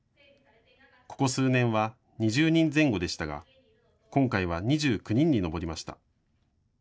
ここ数年は２０人前後でしたが今回は２９人に上りました。